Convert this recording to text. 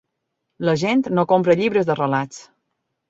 La gent no compra llibres de relats.